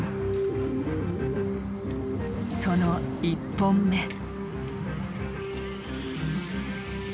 その１本目。